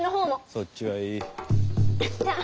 そっちはいいッ。